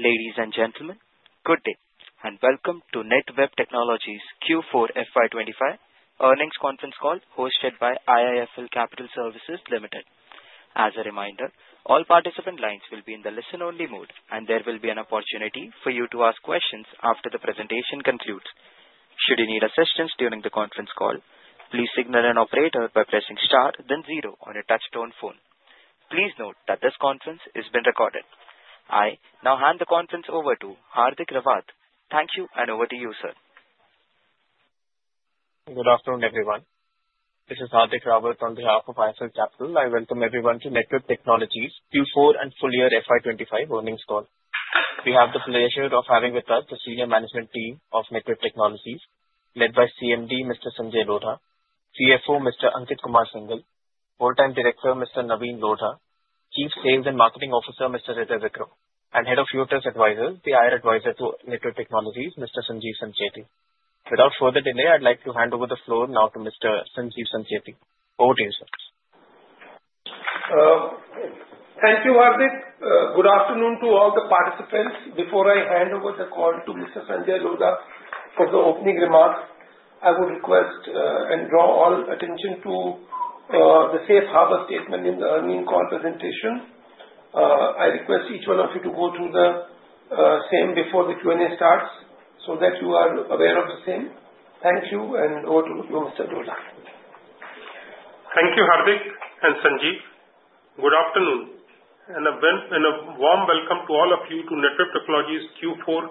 Ladies and gentlemen, good day and welcome to Netweb Technologies Q4 FY 2025 Earnings Conference call hosted by IIFL Capital Services Limited. As a reminder, all participant lines will be in the listen-only mode, and there will be an opportunity for you to ask questions after the presentation concludes. Should you need assistance during the conference call, please signal an operator by pressing Star, then Zero on your touch-tone phone. Please note that this conference is being recorded. I now hand the conference over to Hardik Rawat. Thank you, and over to you, sir. Good afternoon, everyone. This is Hardik Rawat on behalf of IIFL Capital. I welcome everyone to Netweb Technologies Q4 and full year FY 2025 earnings call. We have the pleasure of having with us the senior management team of Netweb Technologies, led by CMD Mr. Sanjay Lodha, CFO Mr. Ankit Kumar Singhal, whole-time director Mr. Navin Lodha, Chief Sales and Marketing Officer Mr. Hirday Vikram, and Head of Future Advisors, the IR advisor to Netweb Technologies, Mr. Sanjeev Sancheti. Without further delay, I'd like to hand over the floor now to Mr. Sanjeev Sancheti. Over to you, sir. Thank you, Hardik. Good afternoon to all the participants. Before I hand over the call to Mr. Sanjay Lodha for the opening remarks, I would request and draw all attention to the safe harbor statement in the earnings call presentation. I request each one of you to go through the same before the Q&A starts so that you are aware of the same. Thank you, and over to you, Mr. Lodha. Thank you, Hardik and Sanjeev. Good afternoon, and a warm welcome to all of you to Netweb Technologies Q4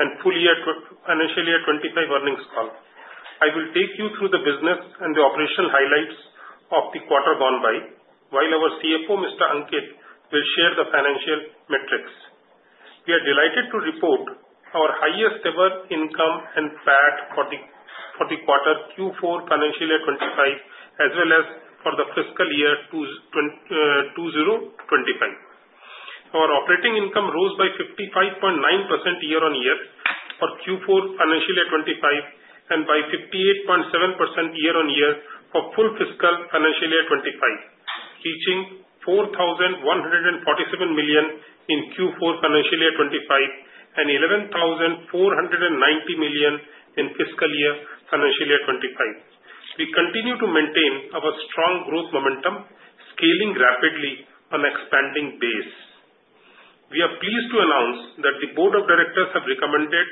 and full year fiscal year 25 earnings call. I will take you through the business and the operational highlights of the quarter gone by, while our CFO, Mr. Ankit, will share the financial metrics. We are delighted to report our highest ever income and PAT for the quarter Q4 financial year 25, as well as for the fiscal year 2025. Our operating income rose by 55.9% year on year for Q4 financial year 25 and by 58.7% year on year for full fiscal year 25, reaching 4,147 million in Q4 financial year 25 and 11,490 million in fiscal year 25. We continue to maintain our strong growth momentum, scaling rapidly on an expanding base. We are pleased to announce that the board of directors have recommended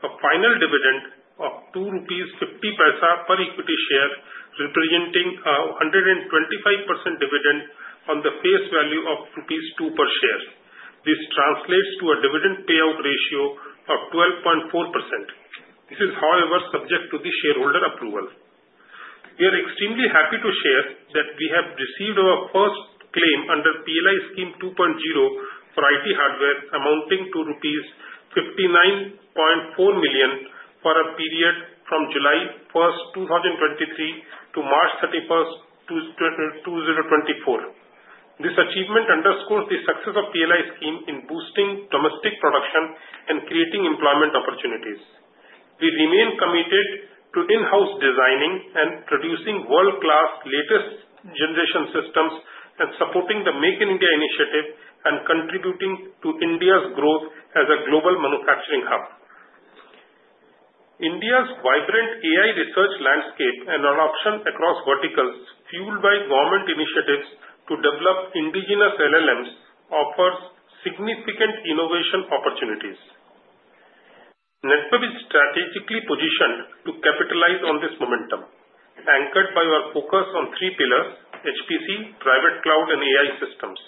a final dividend of 2.50 rupees per equity share, representing a 125% dividend on the face value of rupees 2 per share. This translates to a dividend payout ratio of 12.4%. This is, however, subject to the shareholder approval. We are extremely happy to share that we have received our first claim under PLI scheme 2.0 for IT hardware, amounting to rupees 59.4 million for a period from July 1, 2023, to March 31, 2024. This achievement underscores the success of PLI scheme in boosting domestic production and creating employment opportunities. We remain committed to in-house designing and producing world-class latest generation systems and supporting the Make in India initiative and contributing to India's growth as a global manufacturing hub. India's vibrant AI research landscape and adoption across verticals, fueled by government initiatives to develop indigenous LLMs, offers significant innovation opportunities. Netweb is strategically positioned to capitalize on this momentum, anchored by our focus on three pillars: HPC, private cloud, and AI systems.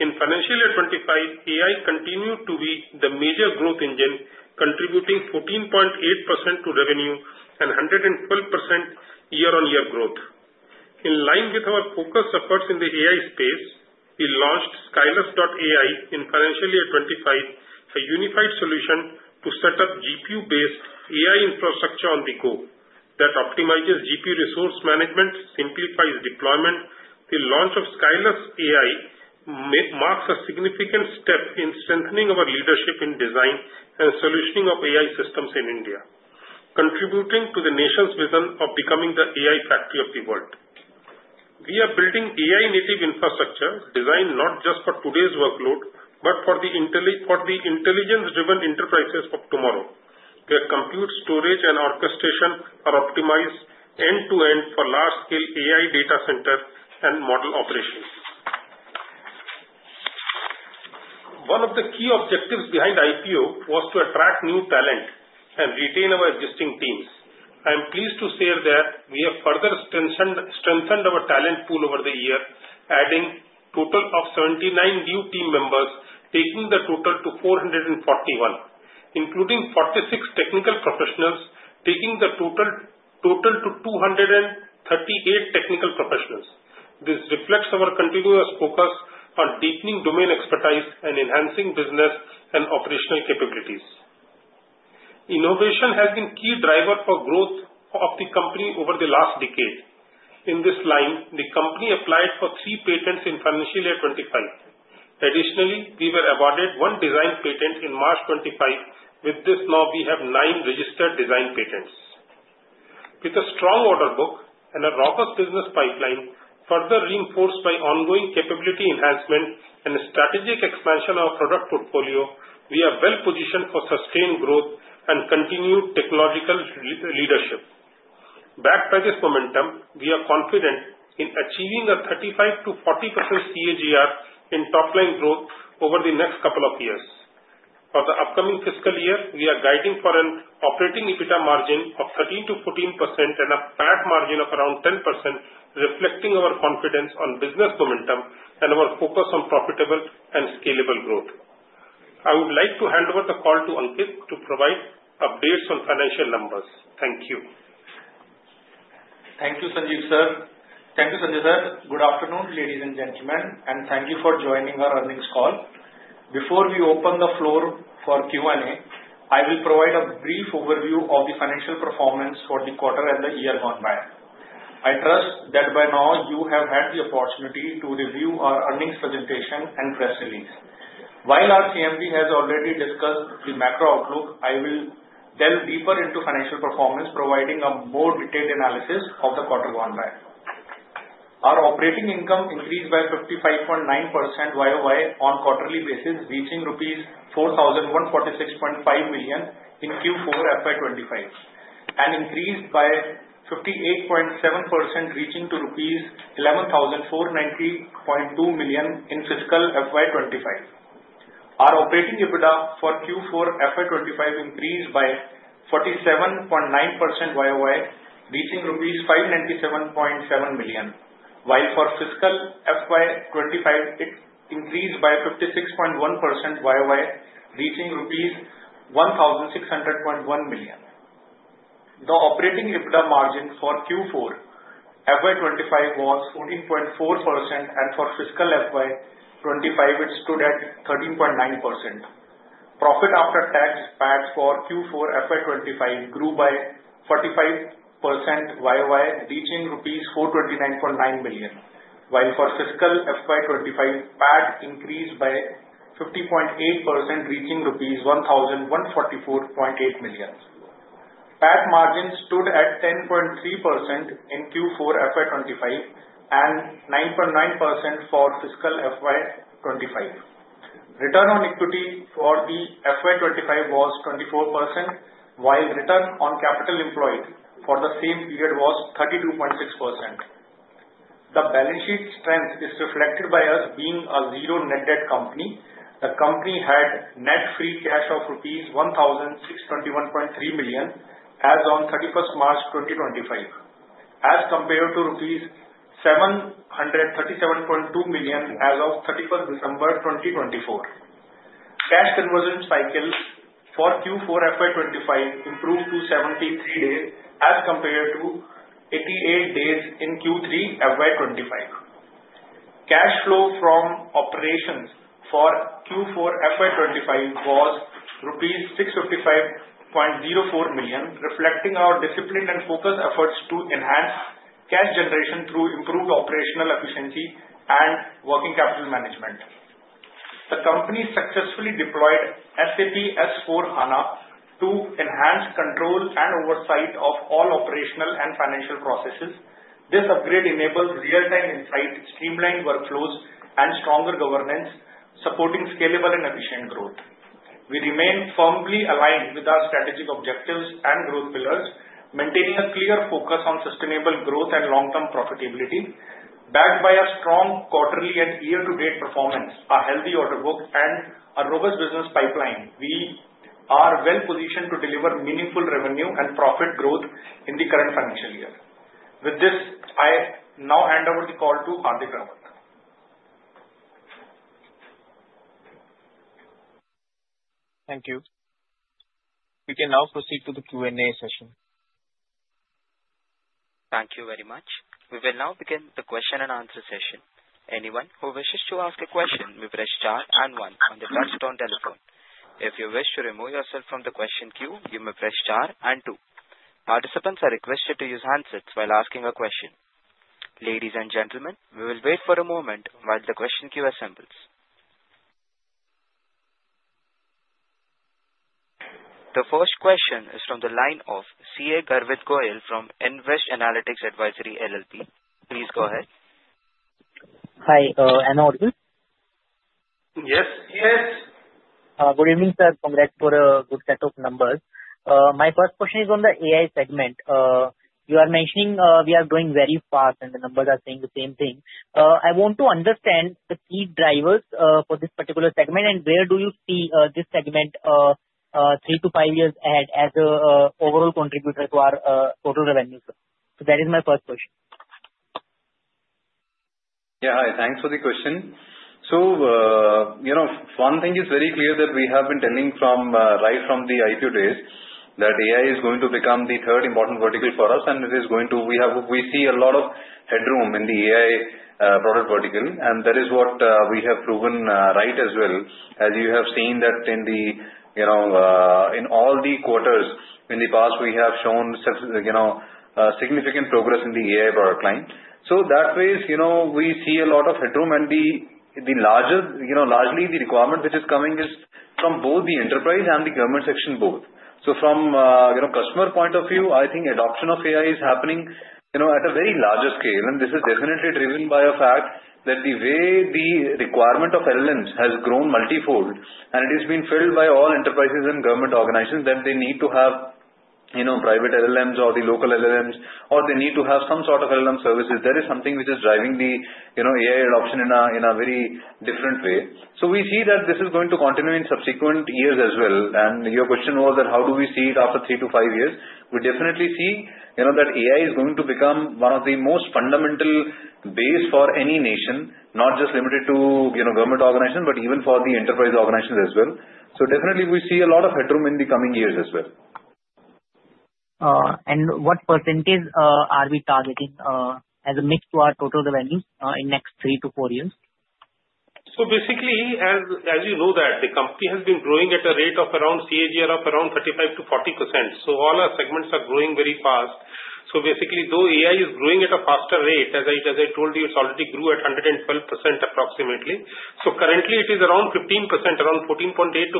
In financial year 25, AI continued to be the major growth engine, contributing 14.8% to revenue and 112% year-on-year growth. In line with our focus efforts in the AI space, we launched Skylus.ai in financial year 25, a unified solution to set up GPU-based AI infrastructure on the go that optimizes GPU resource management, simplifies deployment. The launch of Skylus.ai marks a significant step in strengthening our leadership in design and solutioning of AI systems in India, contributing to the nation's vision of becoming the AI factory of the world. We are building AI-native infrastructure designed not just for today's workload, but for the intelligence-driven enterprises of tomorrow, where compute, storage, and orchestration are optimized end-to-end for large-scale AI data center and model operations. One of the key objectives behind IPO was to attract new talent and retain our existing teams. I am pleased to share that we have further strengthened our talent pool over the year, adding a total of 79 new team members, taking the total to 441, including 46 technical professionals, taking the total to 238 technical professionals. This reflects our continuous focus on deepening domain expertise and enhancing business and operational capabilities. Innovation has been a key driver for growth of the company over the last decade. In this line, the company applied for three patents in financial year 2025. Additionally, we were awarded one design patent in March 2025. With this now, we have nine registered design patents. With a strong order book and a robust business pipeline, further reinforced by ongoing capability enhancement and strategic expansion of our product portfolio, we are well positioned for sustained growth and continued technological leadership. Backed by this momentum, we are confident in achieving a 35%-40% CAGR in top-line growth over the next couple of years. For the upcoming fiscal year, we are guiding for an operating EBITDA margin of 13%-14% and a PAT margin of around 10%, reflecting our confidence on business momentum and our focus on profitable and scalable growth. I would like to hand over the call to Ankit to provide updates on financial numbers. Thank you. Thank you, Sanjeev sir. Good afternoon, ladies and gentlemen, and thank you for joining our earnings call. Before we open the floor for Q&A, I will provide a brief overview of the financial performance for the quarter and the year gone by. I trust that by now you have had the opportunity to review our earnings presentation and press release. While our CMD has already discussed the macro outlook, I will delve deeper into financial performance, providing a more detailed analysis of the quarter gone by. Our operating income increased by 55.9% YOY on a quarterly basis, reaching 4,146.5 million rupees in Q4 FY 2025, and increased by 58.7%, reaching rupees 11,490.2 million in fiscal FY 2025. Our operating EBITDA for Q4 FY 2025 increased by 47.9% YOY, reaching rupees 597.7 million, while for fiscal FY 2025, it increased by 56.1% YOY, reaching rupees 1,600.1 million. The operating EBITDA margin for Q4 FY 2025 was 14.4%, and for fiscal FY 2025, it stood at 13.9%. Profit after tax PAT for Q4 FY 2025 grew by 45% YOY, reaching ₹429.9 million, while for fiscal FY 2025, PAT increased by 50.8%, reaching rupees 1,144.8 million. PAT margin stood at 10.3% in Q4 FY 2025 and 9.9% for fiscal FY 2025. Return on equity for the FY 2025 was 24%, while return on capital employed for the same period was 32.6%. The balance sheet strength is reflected by us being a zero net debt company. The company had net free cash of rupees 1,621.3 million as of 31st March 2025, as compared to rupees 737.2 million as of 31st December 2024. Cash conversion cycle for Q4 FY 2025 improved to 73 days as compared to 88 days in Q3 FY 2025. Cash flow from operations for Q4 FY 2025 was rupees 655.04 million, reflecting our discipline and focus efforts to enhance cash generation through improved operational efficiency and working capital management. The company successfully deployed SAP S/4HANA to enhance control and oversight of all operational and financial processes. This upgrade enables real-time insight, streamlined workflows, and stronger governance, supporting scalable and efficient growth. We remain firmly aligned with our strategic objectives and growth pillars, maintaining a clear focus on sustainable growth and long-term profitability. Backed by our strong quarterly and year-to-date performance, our healthy order book, and a robust business pipeline, we are well positioned to deliver meaningful revenue and profit growth in the current financial year. With this, I now hand over the call to Hardik Rawat. Thank you. We can now proceed to the Q&A session. Thank you very much. We will now begin the question and answer session. Anyone who wishes to ask a question may press Star and one on the touch-tone telephone. If you wish to remove yourself from the question queue, you may press Star and two. Participants are requested to use handsets while asking a question. Ladies and gentlemen, we will wait for a moment while the question queue assembles. The first question is from the line of CA Garvit Goyal from Nvest Analytics Advisory LLP. Please go ahead. Hi, hello. Hello. Yes. Yes. Good evening, sir. Congrats for a good set of numbers. My first question is on the AI segment. You are mentioning we are growing very fast, and the numbers are saying the same thing. I want to understand the key drivers for this particular segment, and where do you see this segment three to five years ahead as an overall contributor to our total revenues? So that is my first question. Yeah, hi. Thanks for the question. One thing is very clear that we have been telling right from the IPO days that AI is going to become the third important vertical for us, and it is going to. We see a lot of headroom in the AI product vertical, and that is what we have proven right as well. As you have seen, that in all the quarters in the past, we have shown significant progress in the AI product line. That way, we see a lot of headroom, and largely, the requirement which is coming is from both the enterprise and the government sector both. So from a customer point of view, I think adoption of AI is happening at a very larger scale, and this is definitely driven by the fact that the way the requirement of LLMs has grown multifold, and it is being filled by all enterprises and government organizations that they need to have private LLMs or the local LLMs, or they need to have some sort of LLM services. That is something which is driving the AI adoption in a very different way. So we see that this is going to continue in subsequent years as well. And your question was that how do we see it after three to five years? We definitely see that AI is going to become one of the most fundamental bases for any nation, not just limited to government organizations, but even for the enterprise organizations as well. So definitely, we see a lot of headroom in the coming years as well. What percentage are we targeting as a mix to our total revenues in the next three-to-four years? So basically, as you know, the company has been growing at a rate of around a CAGR of around 35%-40%. So all our segments are growing very fast. So basically, though AI is growing at a faster rate, as I told you, it's already grew at 112% approximately. So currently, it is around 15%, around 14.8%-15%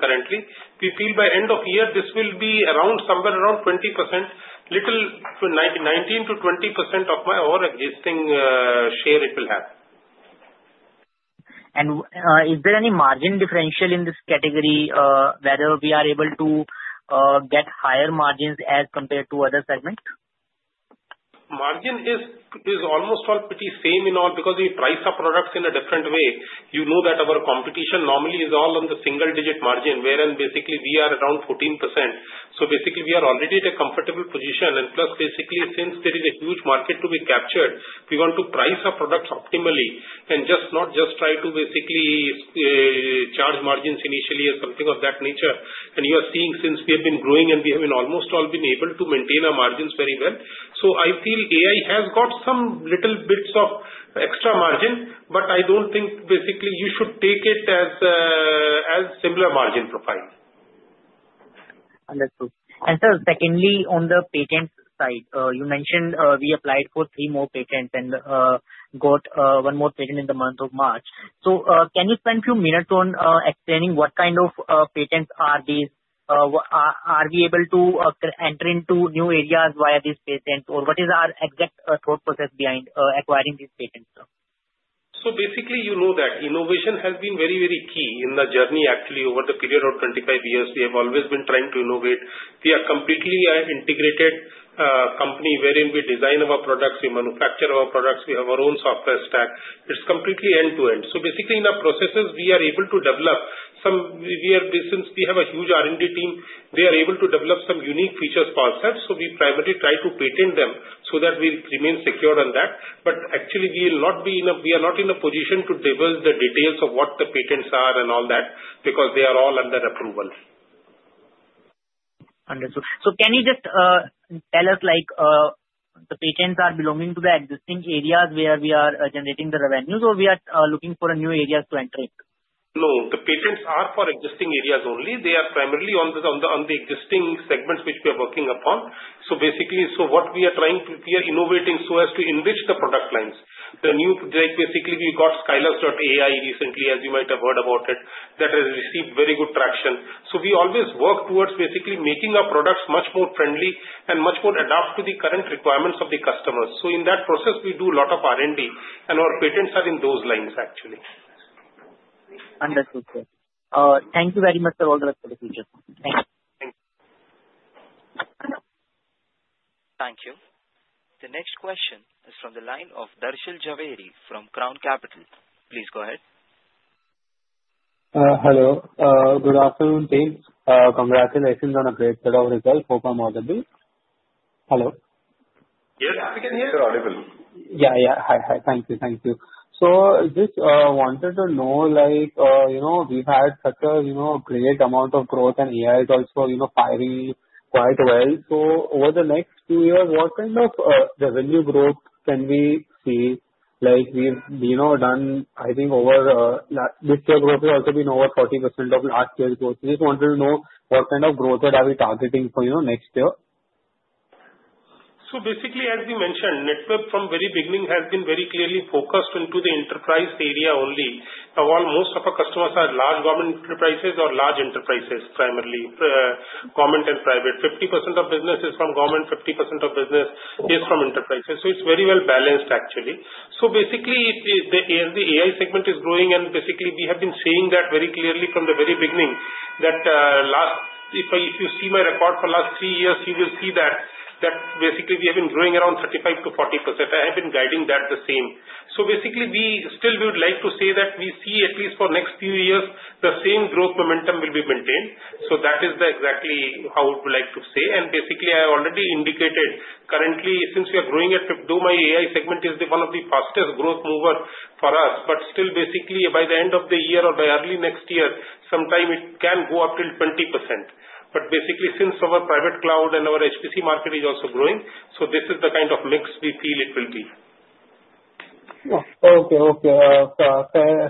currently. We feel by end of year, this will be somewhere around 20%, little 19%-20% of my all existing share it will have. Is there any margin differential in this category where we are able to get higher margins as compared to other segments? Margin is almost all pretty same in all because we price our products in a different way. You know that our competition normally is all on the single-digit margin, wherein basically we are around 14%. So basically, we are already at a comfortable position and plus, basically, since there is a huge market to be captured, we want to price our products optimally and not just try to basically charge margins initially or something of that nature and you are seeing since we have been growing and we have almost all been able to maintain our margins very well so I feel AI has got some little bits of extra margin, but I don't think basically you should take it as a similar margin profile. Understood. And sir, secondly, on the patent side, you mentioned we applied for three more patents and got one more patent in the month of March. So can you spend a few minutes on explaining what kind of patents are these? Are we able to enter into new areas via these patents, or what is our exact thought process behind acquiring these patents? So basically, you know that innovation has been very, very key in the journey, actually, over the period of 25 years. We have always been trying to innovate. We are a completely integrated company wherein we design our products. We manufacture our products. We have our own software stack. It's completely end-to-end. So basically, in our processes, we are able to develop some. We have a huge R&D team. They are able to develop some unique features for ourselves. So we primarily try to patent them so that we remain secured on that. But actually, we are not in a position to divulge the details of what the patents are and all that because they are all under approval. Understood. So can you just tell us the patents are belonging to the existing areas where we are generating the revenues, or we are looking for new areas to enter into? No, the patents are for existing areas only. They are primarily on the existing segments which we are working upon. So basically, what we are trying to—we are innovating so as to enrich the product lines. Basically, we got Skylus.ai recently, as you might have heard about it, that has received very good traction. So we always work towards basically making our products much more friendly and much more adapted to the current requirements of the customers. So in that process, we do a lot of R&D, and our patents are in those lines, actually. Understood, sir. Thank you very much for all the responses. Thank you. Thank you. Thank you. The next question is from the line of Darshil Jhaveri from Crown Capital. Please go ahead. Hello. Good afternoon, team. Congratulations on a great set of results. Hope I'm audible? Hello. Yes, we can hear. You're audible. Yeah, yeah. Hi, hi. Thank you, thank you. So just wanted to know, we've had such a great amount of growth, and AI is also firing quite well. So over the next few years, what kind of revenue growth can we see? We've done, I think, over this year's growth has also been over 40% of last year's growth. Just wanted to know what kind of growth that are we targeting for next year. So basically, as we mentioned, Netweb from the very beginning has been very clearly focused into the enterprise area only. While most of our customers are large government enterprises or large enterprises primarily, government and private. 50% of business is from government, 50% of business is from enterprises. So it's very well balanced, actually. So basically, as the AI segment is growing, and basically, we have been saying that very clearly from the very beginning that if you see my report for the last three years, you will see that basically we have been growing around 35%-40%. I have been guiding that the same. So basically, we still would like to say that we see at least for the next few years, the same growth momentum will be maintained. So that is exactly how we would like to say. Basically, I already indicated currently, since we are growing at phenomenal, AI segment is one of the fastest growth movers for us. Still, basically, by the end of the year or by early next year, sometime it can go up to 20%. Basically, since our private cloud and our HPC market is also growing, so this is the kind of mix we feel it will be. Okay, okay.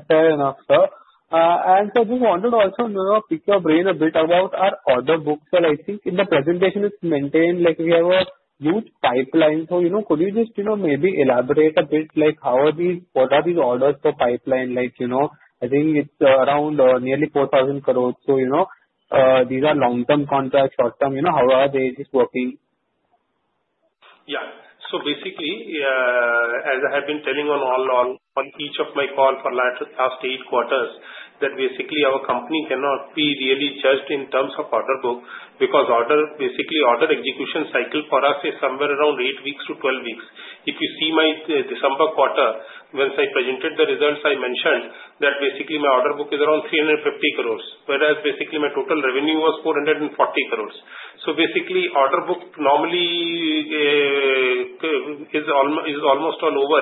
Fair enough, sir, and sir, just wanted also to pick your brain a bit about our order books. I think in the presentation, it's maintained like we have a huge pipeline. So could you just maybe elaborate a bit like what are these orders for pipeline? I think it's around nearly 4,000 crores. So these are long-term contracts, short-term, how are they just working? Yeah. So basically, as I have been telling on each of my calls for the last eight quarters, that basically our company cannot be really judged in terms of order book because basically order execution cycle for us is somewhere around 8 weeks to 12 weeks. If you see my December quarter, once I presented the results, I mentioned that basically my order book is around 350 crores, whereas basically my total revenue was 440 crores. So basically, order book normally is almost all over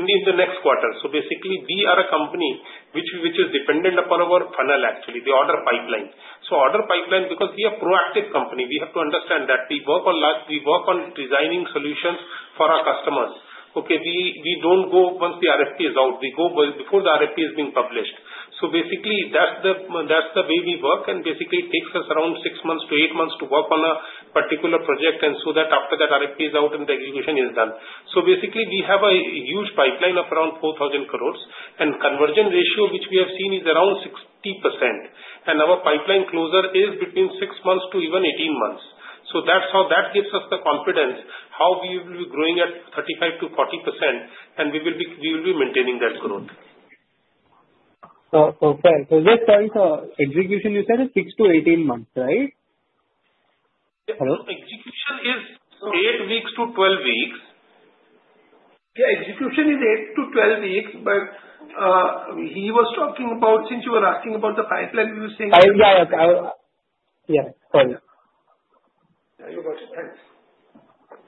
in the next quarter. So basically, we are a company which is dependent upon our funnel, actually, the order pipeline. So order pipeline, because we are a proactive company, we have to understand that we work on designing solutions for our customers. Okay, we don't go once the RFP is out. We go before the RFP is being published. So basically, that's the way we work, and basically it takes us around six months to eight months to work on a particular project and so that after that RFP is out and the execution is done. So basically, we have a huge pipeline of around 4,000 crores, and conversion ratio which we have seen is around 60%. And our pipeline closure is between six months to even 18 months. So that gives us the confidence how we will be growing at 35%-40%, and we will be maintaining that growth. So just for execution, you said it's 6-18 months, right? Execution is 8 weeks to 12 weeks. Yeah, execution is 8-12 weeks, but he was talking about since you were asking about the pipeline, he was saying. Yeah, yeah. Yeah, sorry. You got it. Thanks.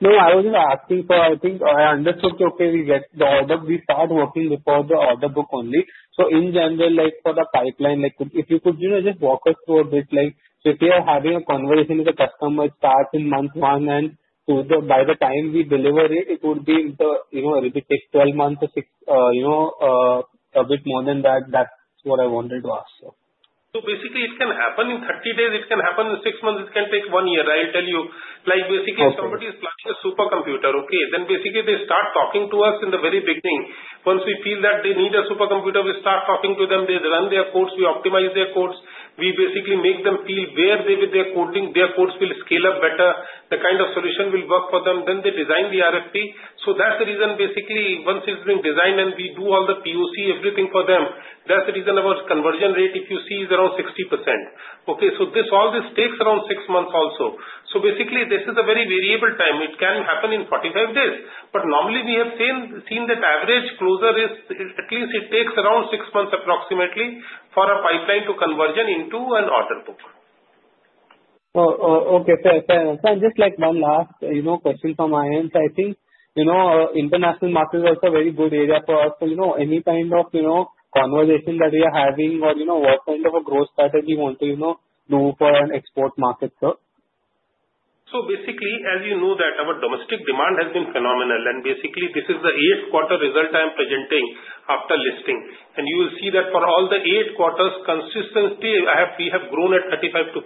No, I was just asking for, I think I understood, okay, we get the order book. We start working before the order book only. So in general, for the pipeline, if you could just walk us through a bit, if we are having a conversation with a customer, it starts in month one, and by the time we deliver it, it would be a little bit 12 months or a bit more than that. That's what I wanted to ask, sir. So basically, it can happen in 30 days. It can happen in six months. It can take one year, I'll tell you. Basically, if somebody is planning a supercomputer, okay, then basically they start talking to us in the very beginning. Once we feel that they need a supercomputer, we start talking to them. They run their codes. We optimize their codes. We basically make them feel where they are coding. Their codes will scale up better. The kind of solution will work for them. Then they design the RFP. So that's the reason basically once it's been designed and we do all the POC, everything for them. That's the reason our conversion rate, if you see, is around 60%. Okay, so all this takes around six months also. So basically, this is a very variable time. It can happen in 45 days. But normally, we have seen that average closure is at least it takes around six months approximately for a pipeline to conversion into an order book. Okay, sir. Just one last question from my end. I think international market is also a very good area for us. So any kind of conversation that we are having or what kind of a growth strategy you want to do for an export market, sir? So basically, as you know, our domestic demand has been phenomenal. And basically, this is the eighth quarter result I'm presenting after listing. And you will see that for all the eight quarters, consistently, we have grown at 35%-40%.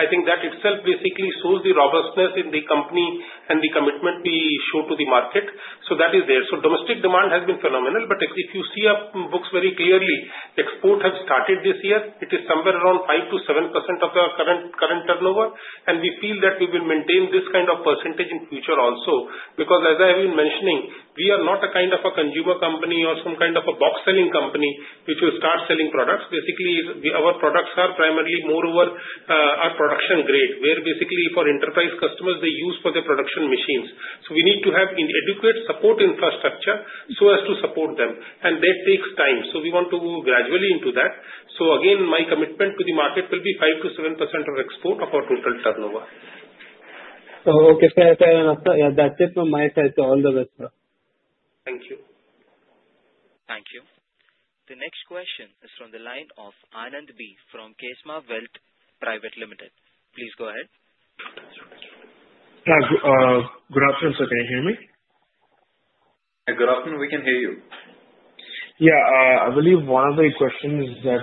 I think that itself basically shows the robustness in the company and the commitment we show to the market. So that is there. So domestic demand has been phenomenal. But if you see our books very clearly, export has started this year. It is somewhere around 5%-7% of our current turnover. And we feel that we will maintain this kind of percentage in future also because, as I have been mentioning, we are not a kind of a consumer company or some kind of a box-selling company which will start selling products. Basically, our products are primarily moreover our production grade, where basically for enterprise customers, they use for their production machines. So we need to have an adequate support infrastructure so as to support them. And that takes time. So we want to go gradually into that. So again, my commitment to the market will be 5%-7% of export of our total turnover. Okay, sir. Fair enough, sir. Yeah, that's it from my side. So all the best, sir. Thank you. Thank you. The next question is from the line of Anand B. from Kesma Welt Private Limited. Please go ahead. Hi, good afternoon, sir. Can you hear me? Good afternoon. We can hear you. Yeah, I believe one of the questions that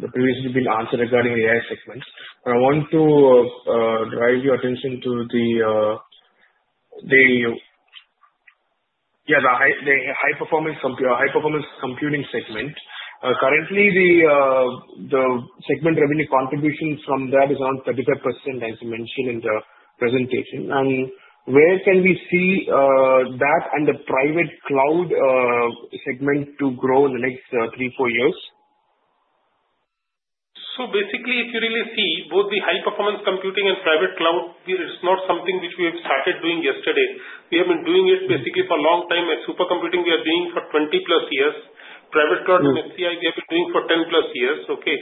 previously has been answered regarding AI segments. But I want to drive your attention to the high-performance computing segment. Currently, the segment revenue contribution from that is around 35%, as you mentioned in the presentation. And where can we see that and the private cloud segment to grow in the next three, four years? So basically, if you really see, both the high-performance computing and private cloud, it's not something which we have started doing yesterday. We have been doing it basically for a long time. Supercomputing, we are doing for 20+ years. Private cloud and HCI, we have been doing for 10+ years. Okay.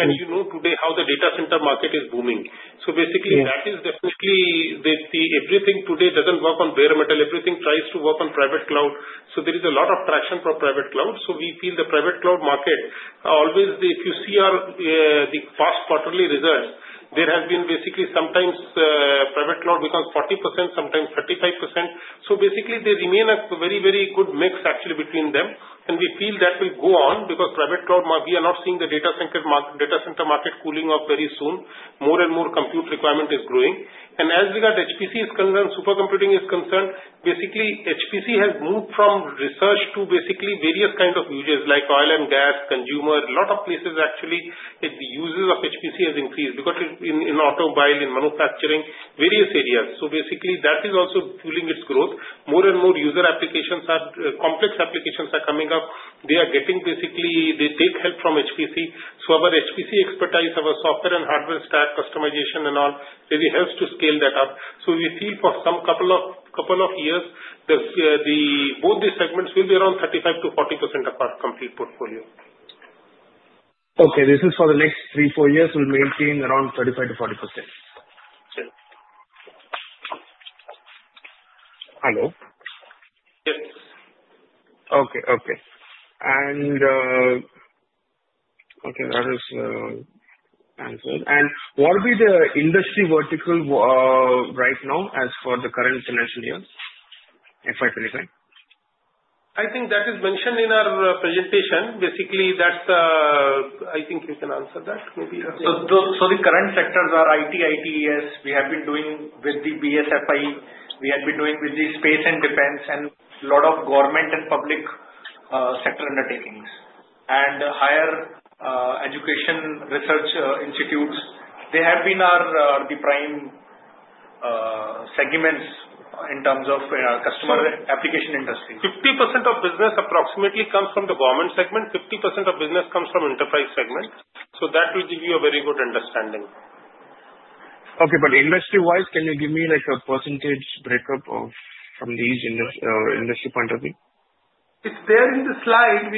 And you know today how the data center market is booming. So basically, that is definitely everything today doesn't work on bare metal. Everything tries to work on private cloud. So there is a lot of traction for private cloud. So we feel the private cloud market, always if you see the past quarterly results, there has been basically sometimes private cloud becomes 40%, sometimes 35%. So basically, they remain a very, very good mix, actually, between them. We feel that will go on because private cloud, we are not seeing the data center market cooling off very soon. More and more compute requirement is growing. As regards HPC is concerned, supercomputing is concerned, basically HPC has moved from research to basically various kinds of uses like oil and gas, consumer, a lot of places. Actually, the uses of HPC have increased because in automotive, in manufacturing, various areas. Basically, that is also fueling its growth. More and more user applications are complex applications coming up. They basically take help from HPC. Our HPC expertise, our software and hardware stack, customization, and all really helps to scale that up. We feel for some couple of years, both these segments will be around 35%-40% of our complete portfolio. Okay, this is for the next three, four years, we'll maintain around 35%-40%. Sure. Hello? Yes. Okay, that is answered. What will be the industry vertical right now as for the current financial year FY 2025? I think that is mentioned in our presentation. Basically, I think you can answer that maybe. The current sectors are IT, ITES. We have been doing with the BFSI. We have been doing with the space and defense and a lot of government and public sector undertakings. Higher education research institutes, they have been our prime segments in terms of customer application industries. 50% of business approximately comes from the government segment. 50% of business comes from enterprise segment. So that will give you a very good understanding. Okay, but industry-wise, can you give me a percentage breakup from these industry point of view? It's there in the slide.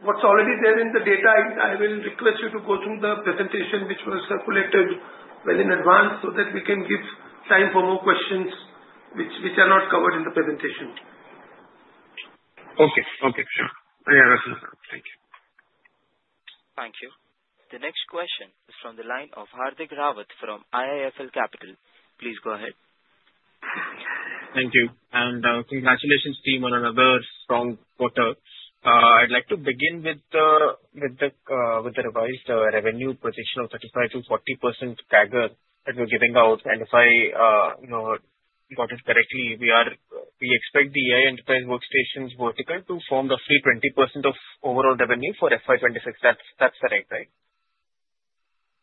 What's already there in the data, I will request you to go through the presentation which was circulated well in advance so that we can give time for more questions which are not covered in the presentation. Okay, okay. Sure. Yeah, that's no problem. Thank you. Thank you. The next question is from the line of Hardik Rawat from IIFL Capital. Please go ahead. Thank you. And congratulations to team on another strong quarter. I'd like to begin with the revised revenue prediction of 35%-40% CAGR that we're giving out. And if I got it correctly, we expect the AI enterprise workstations vertical to form nearly 20% of overall revenue for FY 2026. That's correct, right?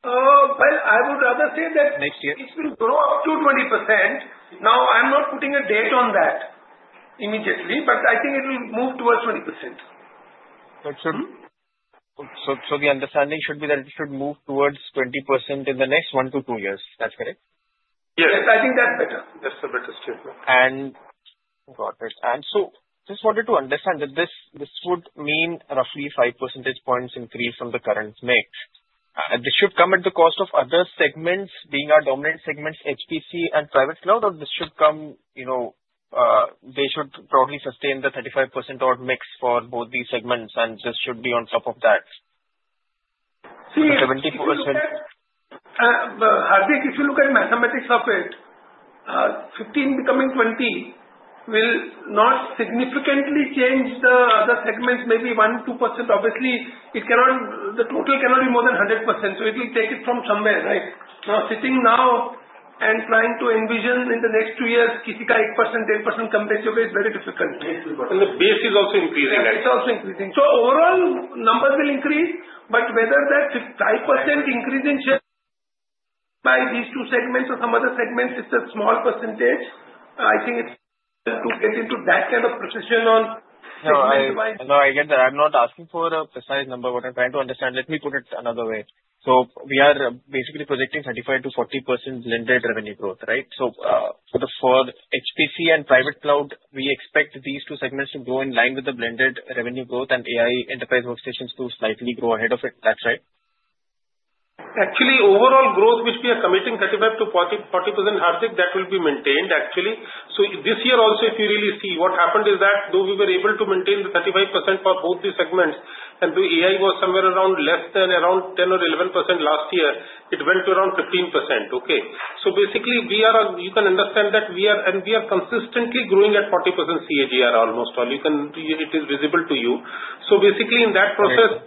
Well, I would rather say that it will grow up to 20%. Now, I'm not putting a date on that immediately, but I think it will move towards 20%. That's true. So the understanding should be that it should move towards 20% in the next one to two years. That's correct? Yes. I think that's better. That's a better statement. And got it. And so just wanted to understand that this would mean roughly five percentage points increase from the current mix. This should come at the cost of other segments being our dominant segments, HPC and private cloud, or this should come they should probably sustain the 35% odd mix for both these segments and just should be on top of that? 70%. I think if you look at mathematics of it, 15 becoming 20 will not significantly change the other segments, maybe 1%-2%. Obviously, the total cannot be more than 100%. So it will take it from somewhere, right? Now, sitting and trying to envision in the next two years, whose 8%-10% compared to your guys is very difficult. 8%. And the base is also increasing, right? Yes, it's also increasing. So overall, numbers will increase, but whether that 5% increase in share by these two segments or some other segments, it's a small percentage. I think it's to get into that kind of precision on segment-wise. No, I get that. I'm not asking for a precise number, but I'm trying to understand. Let me put it another way. So we are basically projecting 35%-40% blended revenue growth, right? So for HPC and private cloud, we expect these two segments to grow in line with the blended revenue growth and AI enterprise workstations to slightly grow ahead of it. That's right? Actually, overall growth which we are committing 35%-40%, Hardik, that will be maintained, actually. So this year also, if you really see, what happened is that though we were able to maintain the 35% for both these segments, and the AI was somewhere around less than 10% or 11% last year, it went to around 15%. Okay. So basically, you can understand that we are consistently growing at 40% CAGR almost. It is visible to you. So basically, in that process,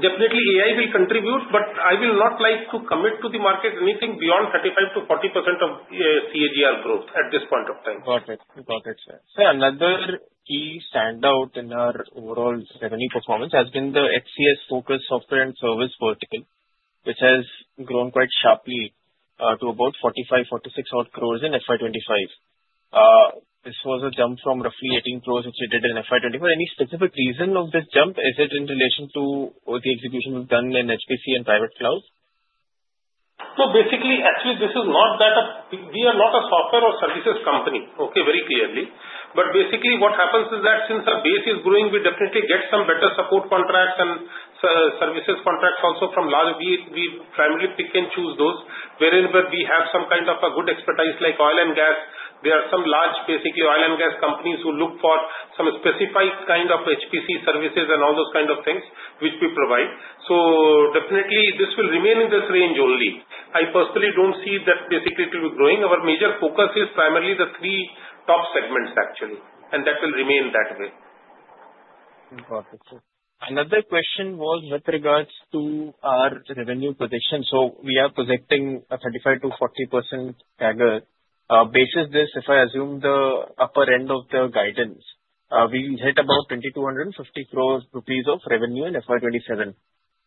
definitely AI will contribute, but I will not like to commit to the market anything beyond 35%-40% of CAGR growth at this point of time. Got it. Got it, sir. Sir, another key standout in our overall revenue performance has been the HCI-focused software and service vertical, which has grown quite sharply to about 45-46 odd crores in FY 2025. This was a jump from roughly 18 crores which it did in FY 2024. Any specific reason of this jump? Is it in relation to the execution we've done in HPC and private cloud? So basically, actually, this is not that we are not a software or services company, okay, very clearly. But basically, what happens is that since our base is growing, we definitely get some better support contracts and services contracts also from large. We primarily pick and choose those. Wherein we have some kind of a good expertise like oil and gas. There are some large, basically oil and gas companies who look for some specified kind of HPC services and all those kind of things which we provide. So definitely, this will remain in this range only. I personally don't see that basically it will be growing. Our major focus is primarily the three top segments, actually. And that will remain that way. Got it, sir. Another question was with regards to our revenue prediction. So we are projecting a 35%-40% CAGR. Based on this, if I assume the upper end of the guidance, we hit about 2,250 crores rupees of revenue in FY 2027.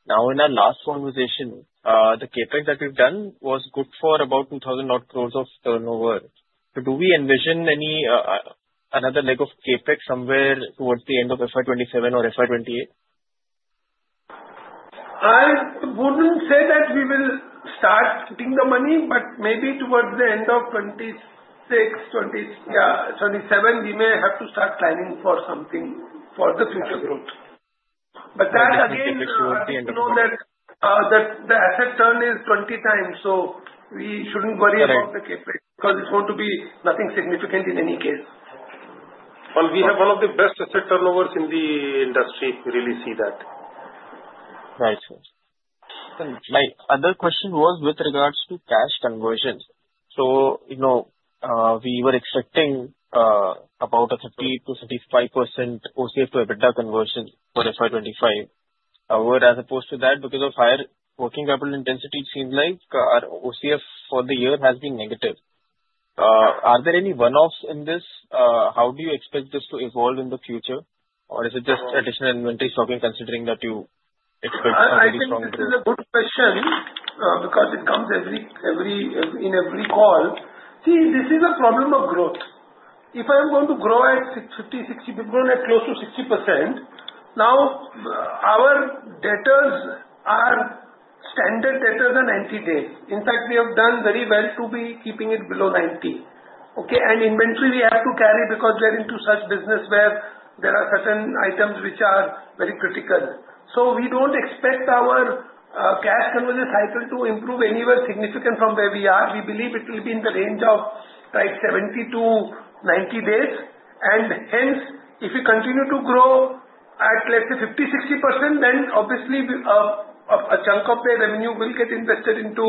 Now, in our last conversation, the CapEx that we've done was good for about 2,000-odd crores of turnover. So do we envision any another leg of CapEx somewhere towards the end of FY 2027 or FY28? I wouldn't say that we will start hitting the money, but maybe towards the end of 2026, 2027, we may have to start planning for something for the future growth. But that, again, you should know that the asset turn is 20 times. So we shouldn't worry about the Capex because it's going to be nothing significant in any case. We have one of the best asset turnovers in the industry. We really see that. Nice, sir. My other question was with regards to cash conversion. So we were expecting about a 30%-35% OCF to EBITDA conversion for FY 2025. However, as opposed to that, because of higher working capital intensity, it seems like our OCF for the year has been negative. Are there any one-offs in this? How do you expect this to evolve in the future? Or is it just additional inventory stocking considering that you expect a very strong growth? This is a good question because it comes in every call. See, this is a problem of growth. If I'm going to grow at 50%, 60%, we've grown at close to 60%. Now, our DSOs are standard DSOs on 90 days. In fact, we have done very well to be keeping it below 90. Okay. And inventory we have to carry because we are into such business where there are certain items which are very critical. So we don't expect our cash conversion cycle to improve anywhere significant from where we are. We believe it will be in the range of 70 to 90 days. And hence, if we continue to grow at, let's say, 50%, 60%, then obviously a chunk of the revenue will get invested into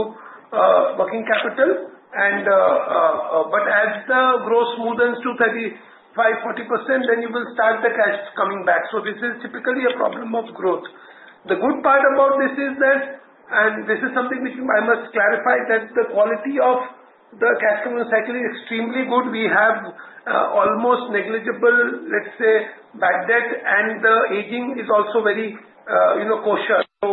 working capital. But as the growth smoothens to 35%, 40%, then you will start the cash coming back. So this is typically a problem of growth. The good part about this is that, and this is something which I must clarify, that the quality of the cash conversion cycle is extremely good. We have almost negligible, let's say, bad debt, and the aging is also very cautious. So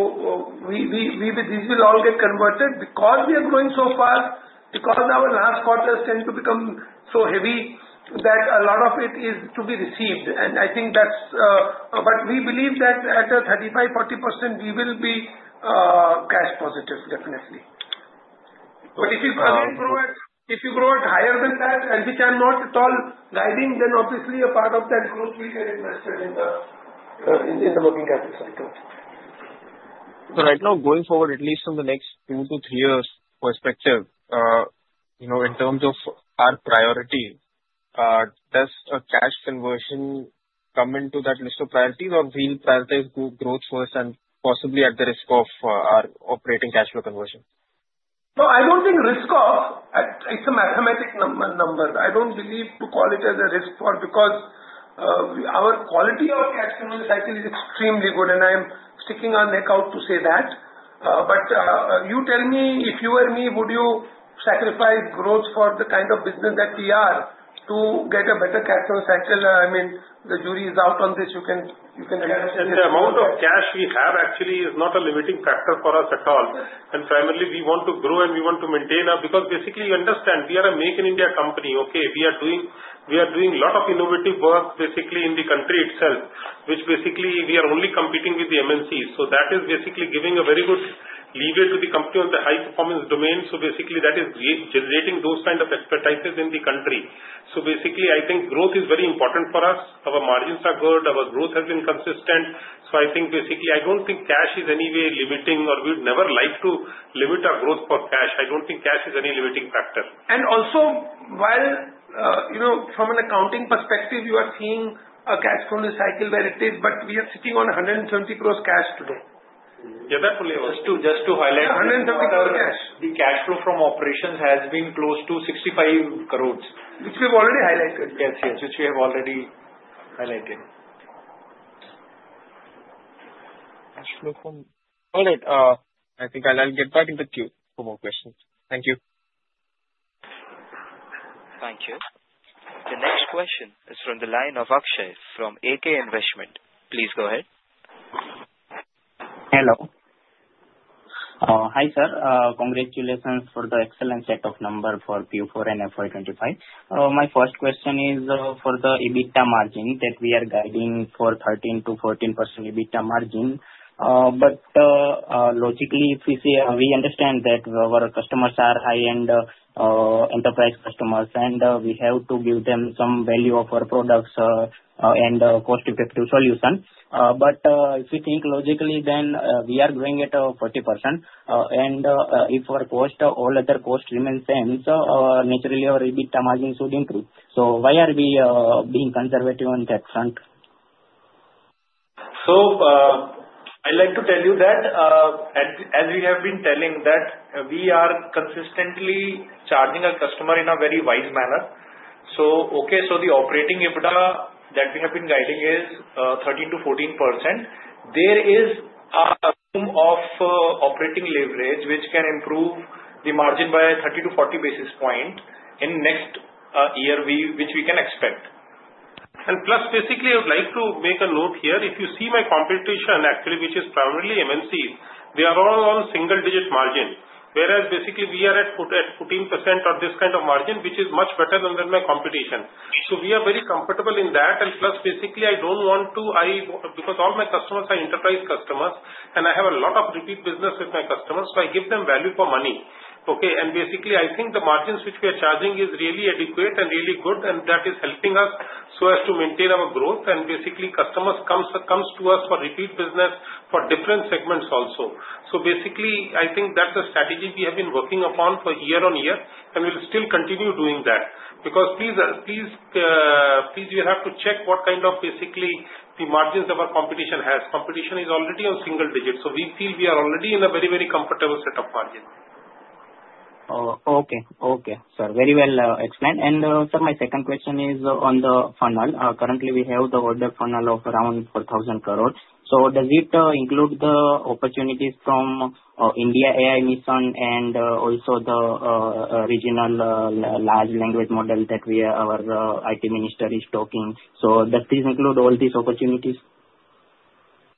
these will all get converted because we are growing so fast, because our last quarters tend to become so heavy that a lot of it is to be received. And I think that's but we believe that at a 35%-40%, we will be cash positive, definitely. But if you grow at higher than that, and which I'm not at all guiding, then obviously a part of that growth will get invested in the working capital cycle. So right now, going forward, at least in the next two to three years perspective, in terms of our priority, does cash conversion come into that list of priorities or will prioritize growth first and possibly at the risk of our operating cash flow conversion? No, I don't think risk of it's a mathematical number. I don't believe to call it as a risk because our quality of cash conversion cycle is extremely good, and I'm sticking our neck out to say that, but you tell me, if you were me, would you sacrifice growth for the kind of business that we are to get a better cash flow cycle? I mean, the jury is out on this. You can understand. The amount of cash we have actually is not a limiting factor for us at all, and primarily, we want to grow and we want to maintain our because basically, you understand, we are a Make in India company. Okay. We are doing a lot of innovative work basically in the country itself, which basically we are only competing with the MNCs. So that is basically giving a very good lever to the company on the high-performance domain. So basically, that is generating those kind of expertise in the country. So basically, I think growth is very important for us. Our margins are good. Our growth has been consistent. So I think basically, I don't think cash is anyway limiting, or we'd never like to limit our growth for cash. I don't think cash is any limiting factor. And also, while from an accounting perspective, you are seeing a cash conversion cycle where it is, but we are sitting on 170 crores cash today. Yeah, that's only. Just to highlight. 170 crores cash. The cash flow from operations has been close to 65 crores. Which we've already highlighted. Yes, yes. Which we have already highlighted. Cash flow from. All right. I think I'll get back in the queue for more questions. Thank you. Thank you. The next question is from the line of Akshay from AK Investment. Please go ahead. Hello. Hi sir. Congratulations for the excellent set of numbers for Q4 and FY 2025. My first question is for the EBITDA margin that we are guiding for 13%-14% EBITDA margin. But logically, we understand that our customers are high-end enterprise customers, and we have to give them some value of our products and cost-effective solution. But if we think logically, then we are going at 40%. And if our cost, all other cost remains same, so naturally, our EBITDA margin should improve. So why are we being conservative on that front? I'd like to tell you that, as we have been telling, that we are consistently charging our customer in a very wise manner. Okay, so the operating EBITDA that we have been guiding is 13%-14%. There is a room of operating leverage which can improve the margin by 30%-40% basis points in next year, which we can expect. Plus, basically, I would like to make a note here. If you see my competition, actually, which is primarily MNCs, they are all on single-digit margin. Whereas basically, we are at 14% or this kind of margin, which is much better than my competition. So we are very comfortable in that. Plus, basically, I don't want to because all my customers are enterprise customers, and I have a lot of repeat business with my customers. So I give them value for money. Okay. And basically, I think the margins which we are charging is really adequate and really good, and that is helping us so as to maintain our growth. And basically, customers come to us for repeat business for different segments also. So basically, I think that's a strategy we have been working upon for year on year, and we'll still continue doing that. Because please, please, please, you have to check what kind of basically the margins of our competition has. Competition is already on single digits. So we feel we are already in a very, very comfortable set of margin. Okay. Okay, sir. Very well explained, and sir, my second question is on the funnel. Currently, we have the order funnel of around 4,000 crores. So does it include the opportunities from IndiaAI Mission and also the regional large language model that our IT minister is talking? So does this include all these opportunities?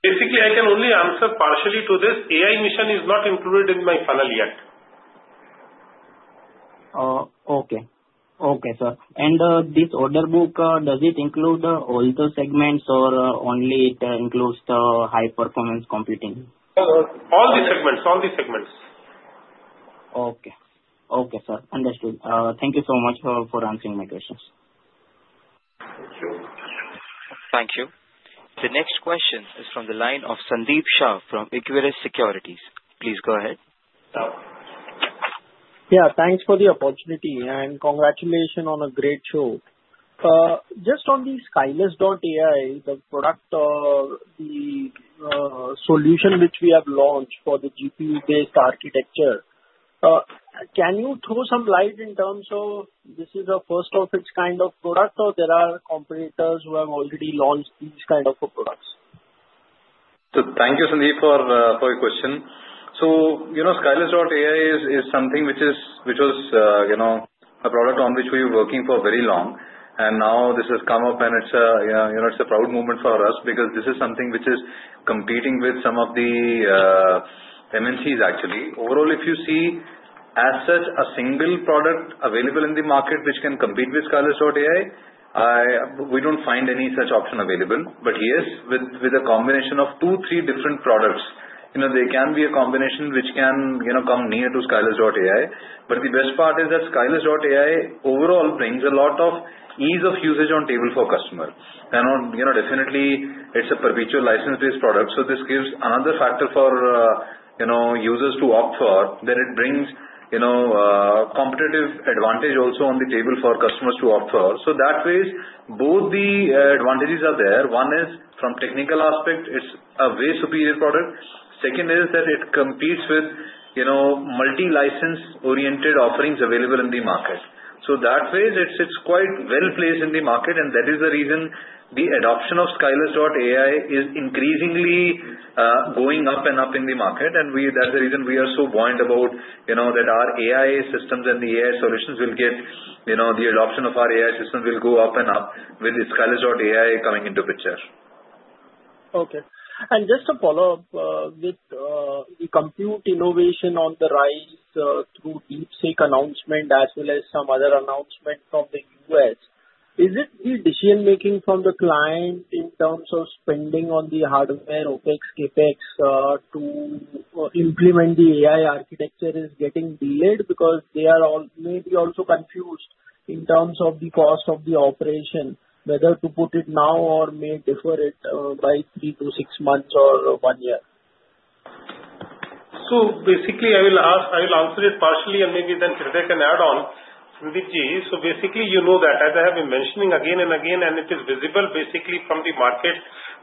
Basically, I can only answer partially to this. AI mission is not included in my funnel yet. Okay. Okay, sir. And this order book, does it include all the segments or only it includes the high-performance computing? All the segments. All the segments. Okay. Okay, sir. Understood. Thank you so much for answering my questions. Thank you. The next question is from the line of Sandeep Shah from Equirus Securities. Please go ahead. Yeah. Thanks for the opportunity and congratulations on a great show. Just on the Skylus.ai, the product, the solution which we have launched for the GPU-based architecture, can you throw some light in terms of this is a first-of-its-kind of product or there are competitors who have already launched these kinds of products? Thank you, Sandeep, for your question. Skyless.ai is something which was a product on which we were working for very long. Now this has come up and it's a proud moment for us because this is something which is competing with some of the MNCs, actually. Overall, if you see as such a single product available in the market which can compete with Skylus.ai, we don't find any such option available. Yes, with a combination of two, three different products, there can be a combination which can come near to Skylus.ai. The best part is that Skylus.ai overall brings a lot of ease of usage on table for customers. Definitely, it's a perpetual license-based product. This gives another factor for users to opt for. It brings competitive advantage also on the table for customers to opt for. So that way, both the advantages are there. One is from technical aspect, it's a way superior product. Second is that it competes with multi-license-oriented offerings available in the market. So that way, it's quite well placed in the market. And that is the reason the adoption of Skylus.ai is increasingly going up and up in the market. And that's the reason we are so buoyant about that our AI systems and the AI solutions will get the adoption of our AI systems will go up and up with Skylus.ai coming into the picture. Okay. And just to follow up with the compute innovation on the rise through DeepSeek announcement as well as some other announcement from the U.S., is it the decision-making from the client in terms of spending on the hardware, OpEx, CapEx to implement the AI architecture is getting delayed because they are maybe also confused in terms of the cost of the operation, whether to put it now or may defer it by three-to-six months or one year? So basically, I will answer it partially and maybe then Hirday can add on. Sandeep Ji, so basically, you know that as I have been mentioning again and again, and it is visible basically from the market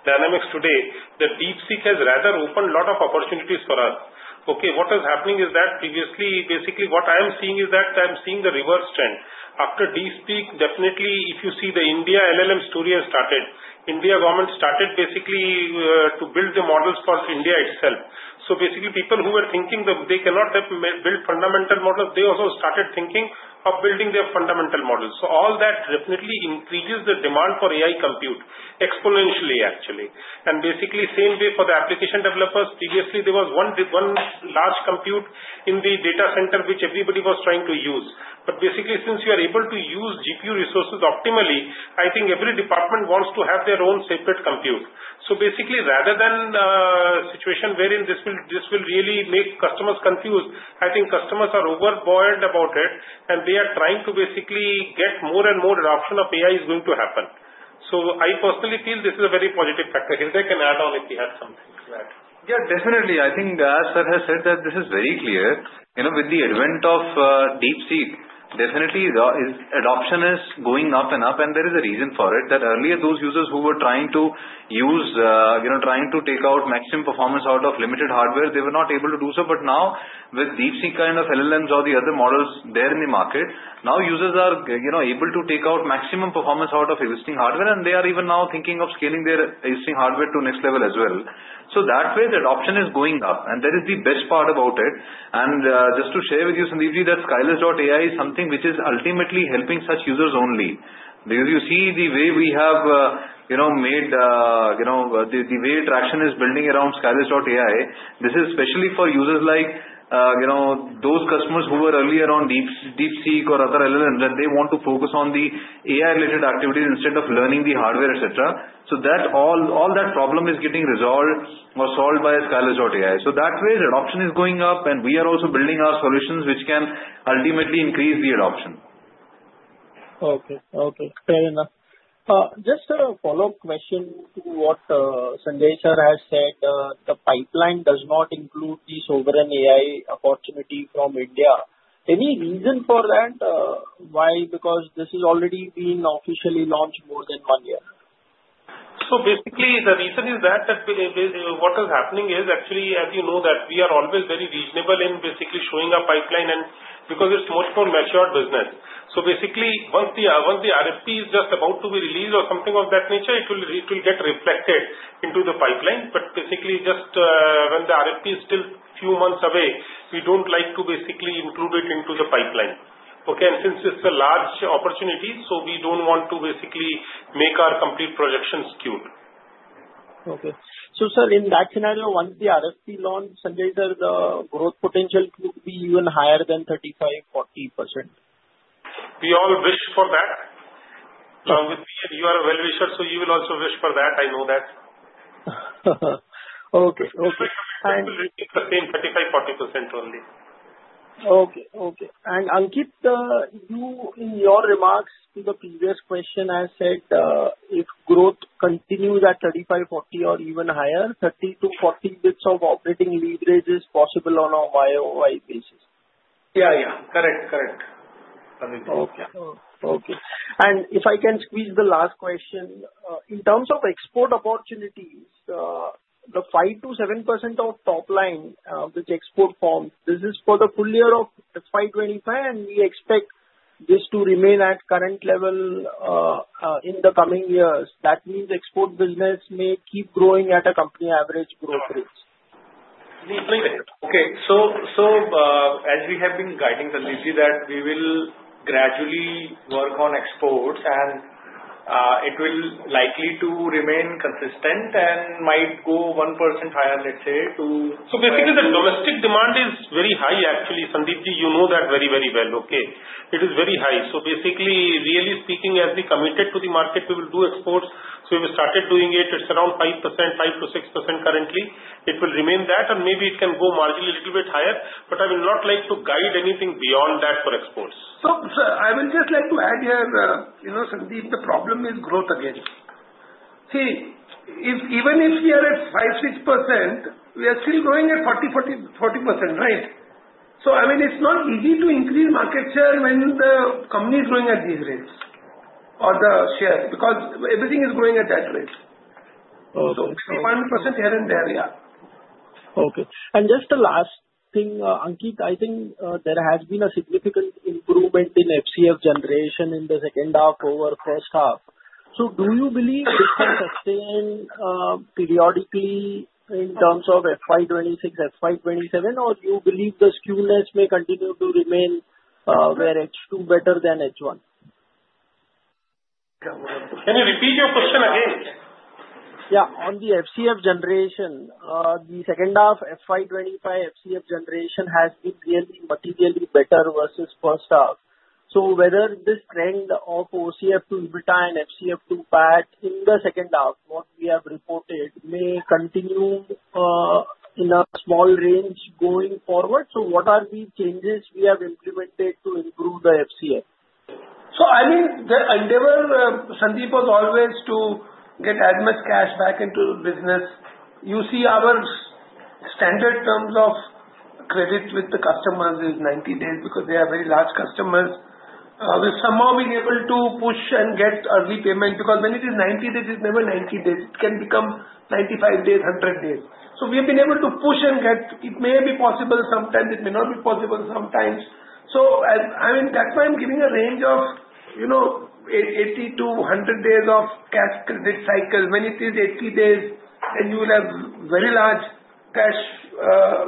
dynamics today, that DeepSeek has rather opened a lot of opportunities for us. Okay. What is happening is that previously, basically, what I am seeing is that I'm seeing the reverse trend. After DeepSeek, definitely, if you see the India LLM story has started. India government started basically to build the models for India itself. So basically, people who were thinking that they cannot build fundamental models, they also started thinking of building their fundamental models. So all that definitely increases the demand for AI compute exponentially, actually. And basically, same way for the application developers. Previously, there was one large compute in the data center which everybody was trying to use. But basically, since you are able to use GPU resources optimally, I think every department wants to have their own separate compute. So basically, rather than a situation wherein this will really make customers confused, I think customers are overbuoyant about it, and they are trying to basically get more and more adoption of AI is going to happen. So I personally feel this is a very positive factor. Hirday can add on if he has something. Yeah, definitely. I think as sir has said that this is very clear. With the advent of DeepSeek, definitely adoption is going up and up, and there is a reason for it. That earlier, those users who were trying to use, trying to take out maximum performance out of limited hardware, they were not able to do so. But now, with DeepSeek kind of LLMs or the other models there in the market, now users are able to take out maximum performance out of existing hardware, and they are even now thinking of scaling their existing hardware to the next level as well. So that way, the adoption is going up, and that is the best part about it. And just to share with you, Sandeep, that Skylus.ai is something which is ultimately helping such users only. Because you see the way we have made the way traction is building around Skylus.ai, this is especially for users like those customers who were earlier on DeepSeek or other LLMs, and they want to focus on the AI-related activities instead of learning the hardware, etc., so all that problem is getting resolved or solved by Skylus.ai, so that way, adoption is going up, and we are also building our solutions which can ultimately increase the adoption. Okay. Okay. Fair enough. Just a follow-up question to what Sandeep sir has said. The pipeline does not include this sovereign AI opportunity from India. Any reason for that? Why? Because this has already been officially launched more than one year. So basically, the reason is that what is happening is actually, as you know, that we are always very reasonable in basically showing a pipeline and because it's much more matured business. So basically, once the RFP is just about to be released or something of that nature, it will get reflected into the pipeline. But basically, just when the RFP is still a few months away, we don't like to basically include it into the pipeline. Okay. And since it's a large opportunity, so we don't want to basically make our complete projections skewed. Okay. So sir, in that scenario, once the RFP launches, Sandeep sir, the growth potential could be even higher than 35%-40%? We all wish for that. You are a well-wisher, so you will also wish for that. I know that. Okay. So we will keep the same 35%-40% only. Okay. And Ankit, in your remarks to the previous question, I said if growth continues at 35%-40%, or even higher, 30%-40% basis points of operating leverage is possible on a YoY basis. Yeah. Yeah. Correct. Correct. Okay. And if I can squeeze the last question, in terms of export opportunities, the 5%-7% of top line which export forms, this is for the full year of 2025, and we expect this to remain at current level in the coming years. That means export business may keep growing at a company average growth rate. Okay. As we have been guiding, Sandeep Ji, that we will gradually work on exports, and it will likely remain consistent and might go 1% higher, let's say, to. Basically, the domestic demand is very high, actually. Sandeep Ji, you know that very, very well. Okay. It is very high. Basically, really speaking, as we committed to the market, we will do exports. We started doing it. It's around 5%, 5%-6% currently. It will remain that, and maybe it can go marginally a little bit higher. But I will not like to guide anything beyond that for exports. Sir, I will just like to add here, Sandeep. The problem is growth again. See, even if we are at 5%-6%, we are still growing at 40%, right? So I mean, it's not easy to increase market share when the company is growing at these rates or the share because everything is growing at that rate. So 5%, 6% here and there. Yeah. Okay. And just the last thing, Ankit, I think there has been a significant improvement in FCF generation in the second half over first half. So do you believe this can sustain periodically in terms of FY 2026, FY 2027, or do you believe the skewness may continue to remain where H2 is better than H1? Can you repeat your question again? Yeah. On the FCF generation, the second half FY 2025 FCF generation has been really materially better versus first half. So whether this trend of OCF to EBITDA and FCF to PAT in the second half, what we have reported, may continue in a small range going forward. What are the changes we have implemented to improve the FCF? I mean, the endeavor, Sandeep, was always to get as much cash back into the business. You see, our standard terms of credit with the customers is 90 days because they are very large customers. We've somehow been able to push and get early payment because when it is 90 days, it's never 90 days. It can become 95 days, 100 days. We have been able to push and get. It may be possible sometimes. It may not be possible sometimes. I mean, that's why I'm giving a range of 80-100 days of cash credit cycle. When it is 80 days, then you will have very large cash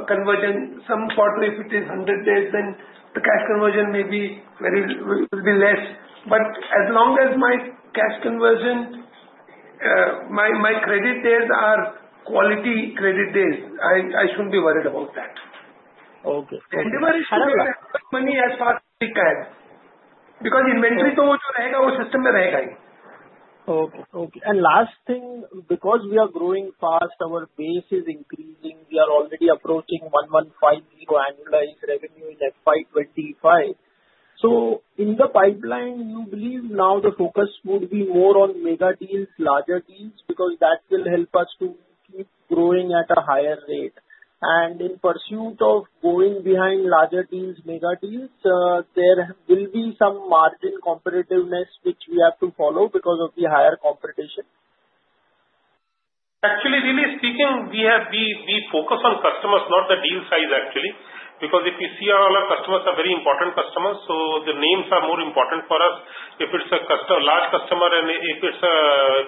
conversion. Some portal, if it is 100 days, then the cash conversion may be very less. But as long as my cash conversion, my credit days are quality credit days, I shouldn't be worried about that. Okay. Okay. Endeavor is to make money as fast as we can because inventory system. Okay. Okay. And last thing, because we are growing fast, our base is increasing. We are already approaching 115 million annualized revenue in FY 2025. So in the pipeline, you believe now the focus would be more on mega deals, larger deals because that will help us to keep growing at a higher rate. And in pursuit of going behind larger deals, mega deals, there will be some margin competitiveness which we have to follow because of the higher competition? Actually, really speaking, we focus on customers, not the deal size, actually, because if you see our customers are very important customers, so the names are more important for us. If it's a large customer and if it's a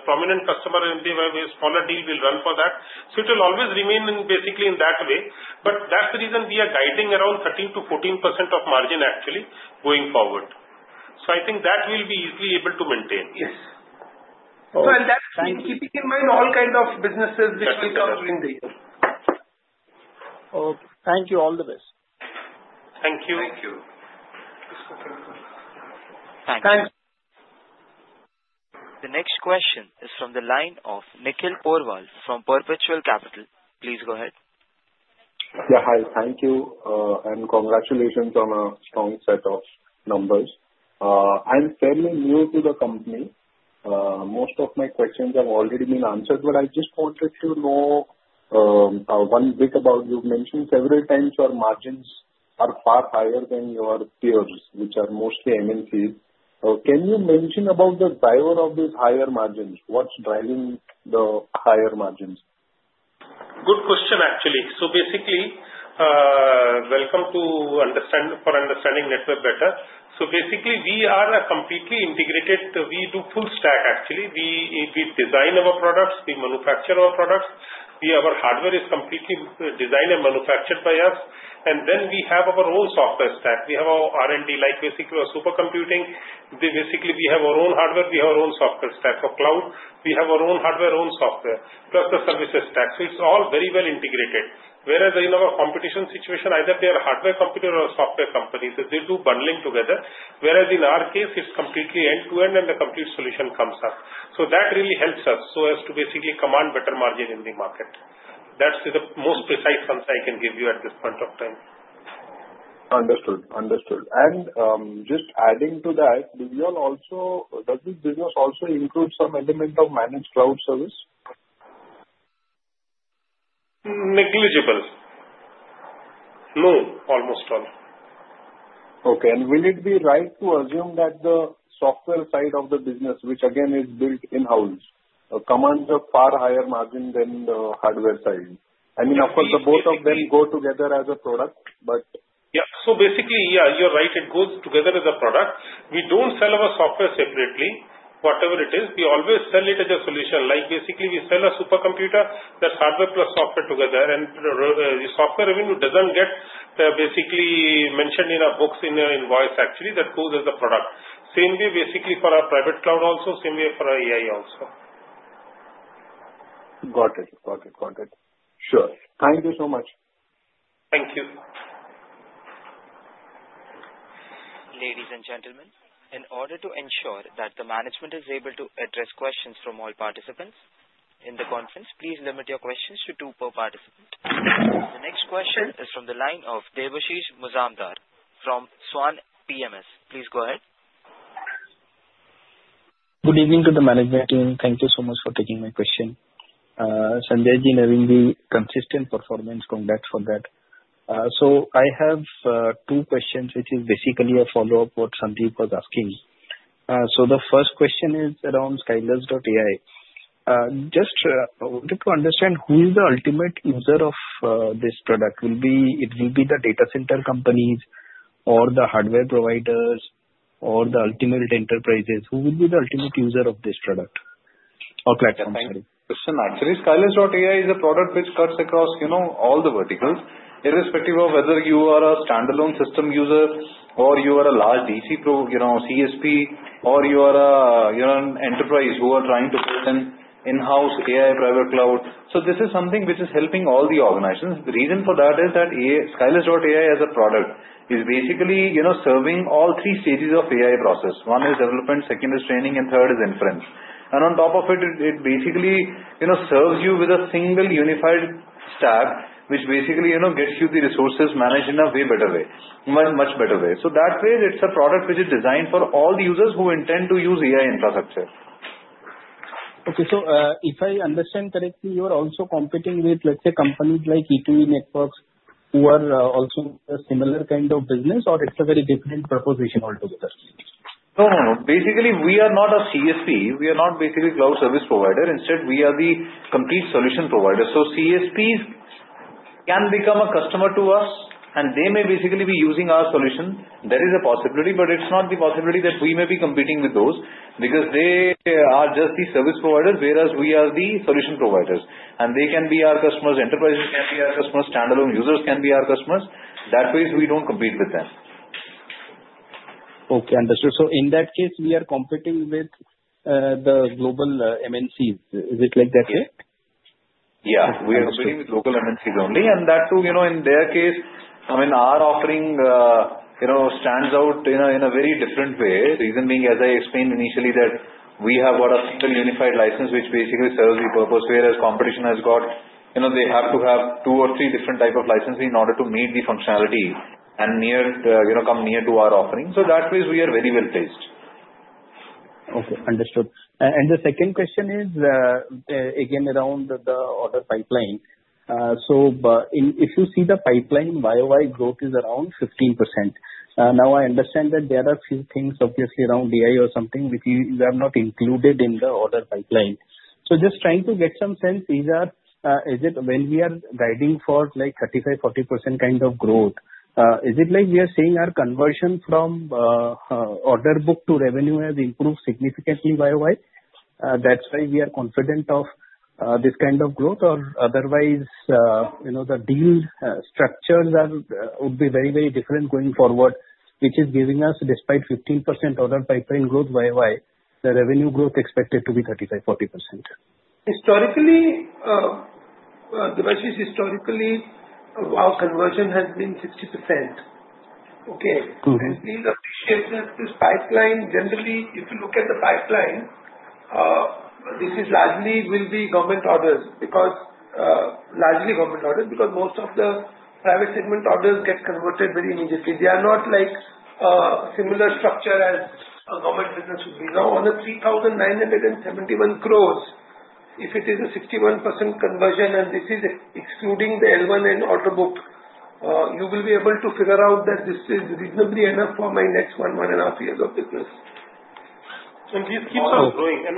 prominent customer, a smaller deal will run for that. So it will always remain basically in that way. But that's the reason we are guiding around 13%-14% of margin, actually, going forward. So I think that will be easily able to maintain. Yes. And that's keeping in mind all kinds of businesses which will come during the year. Okay. Thank you. All the best. Thank you. Thank you. Thanks. Thanks. The next question is from the line of Nikhil Agrawal from Perpetual Capital. Please go ahead. Yeah. Hi. Thank you. And congratulations on a strong set of numbers. I'm fairly new to the company. Most of my questions have already been answered, but I just wanted to know one bit about. You mentioned several times your margins are far higher than your peers, which are mostly MNCs. Can you mention about the driver of these higher margins? What's driving the higher margins? Good question, actually, so basically, to understand Netweb better. Basically, we are a completely integrated. We do full stack, actually. We design our products. We manufacture our products. Our hardware is completely designed and manufactured by us. And then we have our own software stack. We have our R&D, like basically our supercomputing. Basically, we have our own hardware. We have our own software stack for cloud. We have our own hardware, own software, plus the services stack. So it's all very well integrated. Whereas in the competition, the situation is either they are hardware companies or software companies. They do bundling together. Whereas in our case, it's completely end-to-end, and the complete solution comes up. So that really helps us so as to basically command better margins in the market. That's the most precise answer I can give you at this point of time. Understood. And just adding to that, do you all also does this business include some element of managed cloud service? Negligible. No, almost all. Okay. And will it be right to assume that the software side of the business, which again is built in-house, commands a far higher margin than the hardware side? I mean, of course, both of them go together as a product, but. Yeah. So basically, yeah, you're right. It goes together as a product. We don't sell our software separately, whatever it is. We always sell it as a solution. Basically, we sell a supercomputer. That's hardware plus software together. And the software revenue doesn't get basically mentioned in our books in our invoice, actually. That goes as a product. Same way, basically, for our private cloud also. Same way for our AI also. Got it. Got it. Got it. Sure. Thank you so much. Thank you. Ladies and gentlemen, in order to ensure that the management is able to address questions from all participants in the conference, please limit your questions to two per participant. The next question is from the line of Debashish Mazumdar from Swan PMS. Please go ahead. Good evening to the management team. Thank you so much for taking my question. Sandeep Ji, having the consistent performance, congrats for that. So I have two questions, which is basically a follow-up to what Sandeep was asking. So the first question is around Skylus.ai. Just wanted to understand who is the ultimate user of this product? It will be the data center companies or the hardware providers or the ultimate enterprises. Who will be the ultimate user of this product or platform? Actually, Skylus.ai is a product which cuts across all the verticals, irrespective of whether you are a standalone system user or you are a large DC CSP, or you are an enterprise who are trying to put in-house AI private cloud. So this is something which is helping all the organizations. The reason for that is that Skylus.ai as a product is basically serving all three stages of AI process. One is development, second is training, and third is inference. And on top of it, it basically serves you with a single unified stack, which basically gets you the resources managed in a way better way, much better way. So that way, it's a product which is designed for all the users who intend to use AI infrastructure. Okay. So if I understand correctly, you are also competing with, let's say, companies like E2E Networks who are also a similar kind of business, or it's a very different proposition altogether? No, no, no. Basically, we are not a CSP. We are not basically a cloud service provider. Instead, we are the complete solution provider. So CSPs can become a customer to us, and they may basically be using our solution. There is a possibility, but it's not the possibility that we may be competing with those because they are just the service providers, whereas we are the solution providers. And they can be our customers. Enterprises can be our customers. Standalone users can be our customers. That way, we don't compete with them. Okay. Understood. So in that case, we are competing with the global MNCs. Is it like that? Yeah. We are competing with local MNCs only. That too, in their case, I mean, our offering stands out in a very different way. The reason being, as I explained initially, that we have got a single unified license, which basically serves the purpose, whereas competition has got they have to have two or three different types of licenses in order to meet the functionality and come near to our offering. So that way, we are very well placed. Okay. Understood. The second question is, again, around the order pipeline. So if you see the pipeline, YoY growth is around 15%. Now, I understand that there are a few things, obviously, around AI or something, which you have not included in the order pipeline. So just trying to get some sense, is it when we are guiding for 35%-40% kind of growth, is it like we are seeing our conversion from order book to revenue has improved significantly YoY? That's why we are confident of this kind of growth, or otherwise, the deal structures would be very, very different going forward, which is giving us, despite 15% order pipeline growth YoY, the revenue growth expected to be 35%-40%. Historically, Deveshish, historically, our conversion has been 60%. Okay. And being appreciated, this pipeline, generally, if you look at the pipeline, this largely will be government orders because largely government orders because most of the private segment orders get converted very immediately. They are not like a similar structure as a government business would be. Now, on 3,971 crores, if it is a 61% conversion, and this is excluding the L1 and order book, you will be able to figure out that this is reasonably enough for my next one, one and a half years of business. And this keeps on growing. And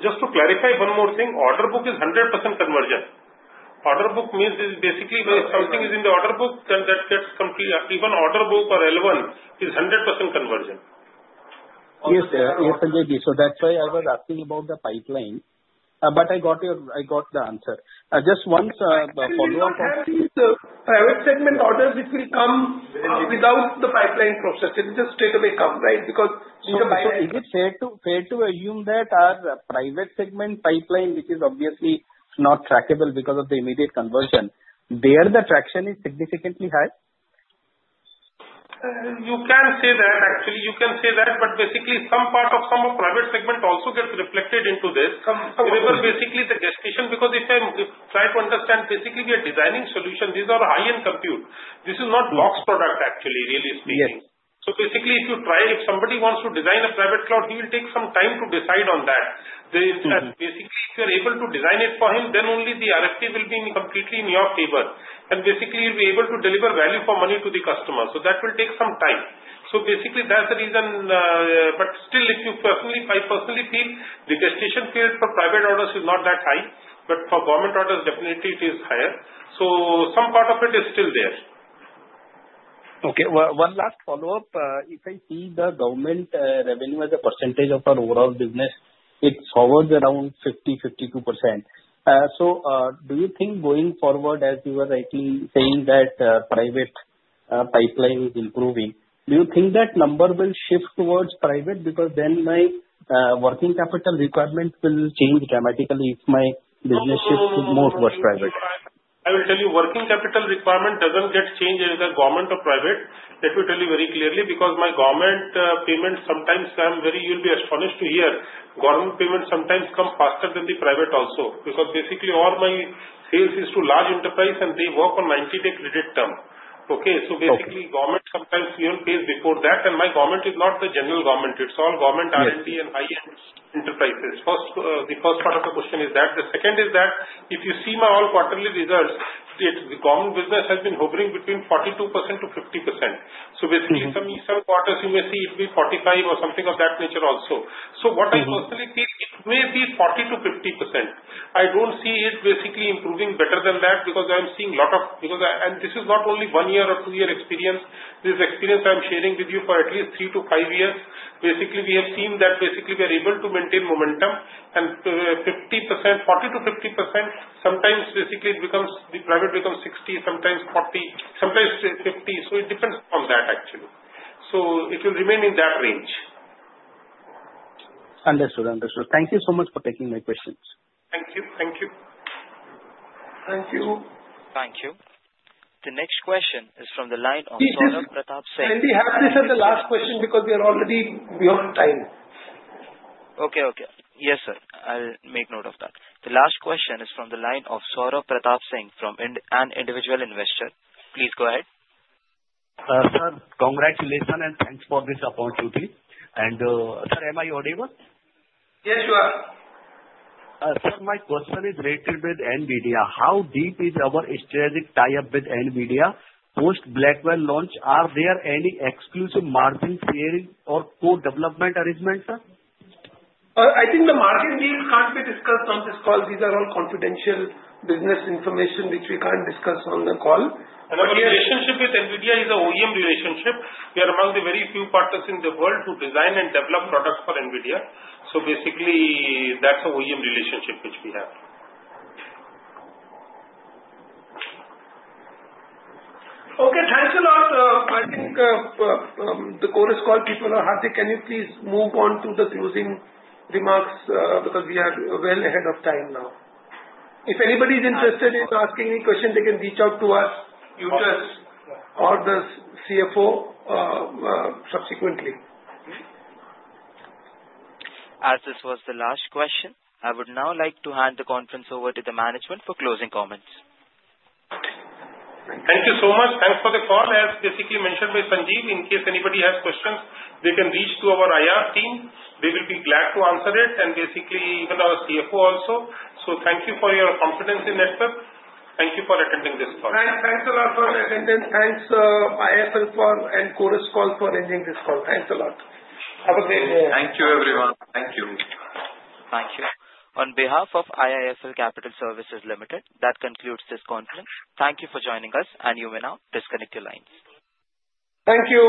just to clarify one more thing, order book is 100% conversion. Order book means basically something is in the order book, and that gets complete. Even order book or L1 is 100% conversion. Yes, Sandeep Ji. So that's why I was asking about the pipeline. But I got the answer. Just once a follow-up. Private segment orders, it will come without the pipeline process. It will just straight away come, right? Because the. So is it fair to assume that our private segment pipeline, which is obviously not trackable because of the immediate conversion, there the traction is significantly high? You can say that. Actually, you can say that. But basically, some part of the private segment also gets reflected into this. The delivery basically the gestation because if I try to understand, basically, we are designing solutions. These are high-end compute. This is not box product, actually, really speaking. So basically, if you try, if somebody wants to design a private cloud, he will take some time to decide on that. Basically, if you are able to design it for him, then only the RFP will be completely in your favor. And basically, you'll be able to deliver value for money to the customer. So that will take some time. So basically, that's the reason. But still, I personally feel the gestation period for private orders is not that high, but for government orders, definitely, it is higher. So some part of it is still there. Okay. One last follow-up. If I see the government revenue as a percentage of our overall business, it's hovering around 50%-52%. So do you think going forward, as you were rightly saying that private pipeline is improving, do you think that number will shift towards private because then my working capital requirement will change dramatically if my business shifts more towards private? I will tell you, working capital requirement doesn't get changed either government or private. Let me tell you very clearly because my government payments sometimes come very fast. You'll be astonished to hear. Government payments sometimes come faster than the private also because basically, all my sales is to large enterprise, and they work on 90-day credit term. Okay. So basically, government sometimes even pays before that, and my government is not the general government. It's all government, R&D, and high-end enterprises. The first part of the question is that. The second is that if you see my all quarterly results, the government business has been hovering between 42%-50%. So basically, some quarters, you may see it will be 45% or something of that nature also. So what I personally feel, it may be 40%-50%. I don't see it basically improving better than that because I'm seeing a lot of, and this is not only one year or two-year experience. This experience I'm sharing with you for at least three to five years. Basically, we have seen that basically we are able to maintain momentum and 40%-50%. Sometimes, basically, the private becomes 60%, sometimes 40%, sometimes 50%. So it depends on that, actually. So it will remain in that range. Understood. Understood. Thank you so much for taking my questions. Thank you. Thank you. Thank you. Thank you. The next question is from the line of Saurabh Pratap Singh. Can we have this as the last question because we are already out of time? Okay. Okay. Yes, sir. I'll make note of that. The last question is from the line of Saurabh Pratap Singh from an individual investor. Please go ahead. Sir, congratulations and thanks for this opportunity. And sir, am I audible? Yes, you are. Sir, my question is related with NVIDIA. How deep is our strategic tie-up with NVIDIA post-Blackwell launch? Are there any exclusive margin sharing or co-development arrangements, sir? I think the margin deals can't be discussed on this call. These are all confidential business information, which we can't discuss on the call. And our relationship with NVIDIA is an OEM relationship. We are among the very few partners in the world who design and develop products for NVIDIA. So basically, that's an OEM relationship which we have. Okay. Thanks a lot. I think the call is closed. People are happy. Can you please move on to the closing remarks because we are well ahead of time now? If anybody is interested in asking any question, they can reach out to us, you just, or the CFO subsequently. As this was the last question, I would now like to hand the conference over to the management for closing comments. Thank you so much. Thanks for the call. As basically mentioned by Sandeep, in case anybody has questions, they can reach to our IR team. They will be glad to answer it, and basically, even our CFO also. Thank you for your confidence in Netweb. Thank you for attending this call. Thanks a lot for attending. Thanks, IIFL, and Equirus for arranging this call. Thanks a lot. Have a great day. Thank you, everyone. Thank you. Thank you. On behalf of IIFL Capital Services Limited, that concludes this conference. Thank you for joining us, and you may now disconnect your lines. Thank you.